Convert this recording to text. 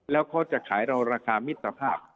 แล้วเขาจะขายเราราคามิตรภาพ